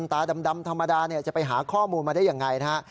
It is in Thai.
ตาดำธรรมดาจะไปหาข้อมูลมาได้ยังไงนะฮะ